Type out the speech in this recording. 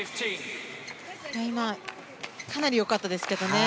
今かなりよかったですけどね